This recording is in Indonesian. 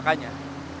kejahatan yang baik